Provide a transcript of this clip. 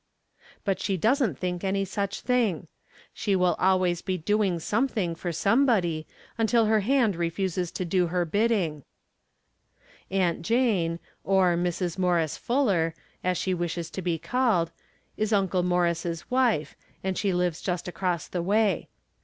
But she doesn't think any such thing. She will always be doiug something From Different Standpoints. 27 for somebody, until her hand refuses to do her bidding. Aunt Jane, or, Mrs. Morris Fuller, as she wishes to be called, is Uncle Morris' wife, and she lives just across the way.